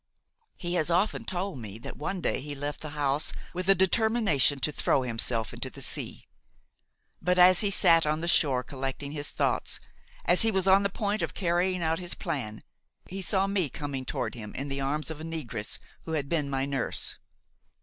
He has often told me that one day he left the house with a determination to throw himself into the sea; but as he sat on the shore collecting his thoughts, as he was on the point of carrying out his plan, he saw me coming toward him in the arms of the negress who had been my nurse.